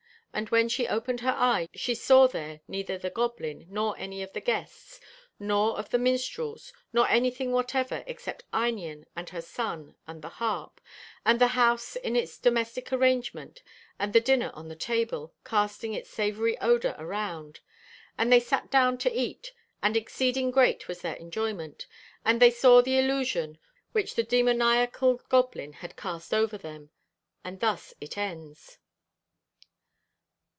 And when she opened her eyes, she saw there neither the goblin, nor any of the guests, nor of the minstrels, nor anything whatever except Einion, and her son, and the harp, and the house in its domestic arrangement, and the dinner on the table, casting its savoury odour around. And they sat down to eat ... and exceeding great was their enjoyment. And they saw the illusion which the demoniacal goblin had cast over them.... And thus it ends.'